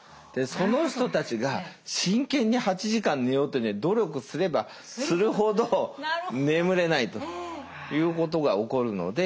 その人たちが真剣に８時間寝ようって努力すればするほど眠れないということが起こるので。